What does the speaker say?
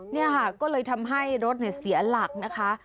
นี่ค่ะก็เลยทำให้รถเสียหลักนะคะ